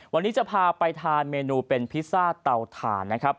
วันนี้จะพาไปทานเมนูเป็นพิซซ่าเตาถ่านนะครับ